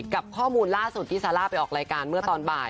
กับข้อมูลล่าสุดที่ซาร่าไปออกรายการเมื่อตอนบ่าย